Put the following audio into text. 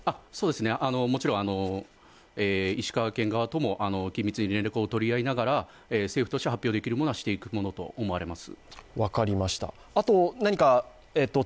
もちろん、石川県側とも緊密に連携をとりながら、政府としては発表していけるものは発表していくと思います。